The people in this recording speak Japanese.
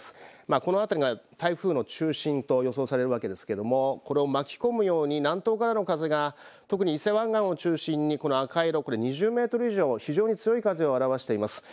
この辺りが台風の中心と予想されるわけですけれども、これを巻き込むように南東からの風が特に伊勢湾岸を中心にこの赤色２０メートル以上の非常に強い風を表しています。